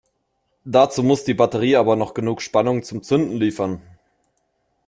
Dazu muss die Batterie aber noch genug Spannung zum Zünden liefern.